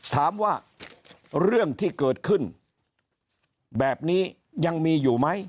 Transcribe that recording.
ถามว่าเรื่องที่เกิดขึ้นแบบนี้ยังมีอยู่ไหม